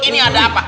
ini ada apa